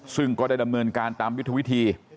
ซึ่งก็ได้ดำเนินการตามยุทธวิธี